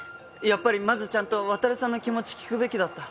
やっぱりまずちゃんと渉さんの気持ち聞くべきだった。